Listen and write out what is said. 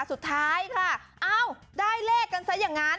สุดท้ายค่ะเอ้าได้เลขกันซะอย่างนั้น